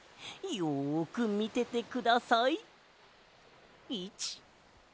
よくみててください。